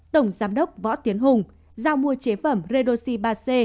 tổng giám đốc võ tiến hùng giao mua chế phẩm redoxi ba c